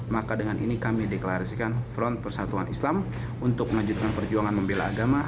maka dengan ini kami deklarasikan front persatuan islam untuk melanjutkan perjuangan membela agama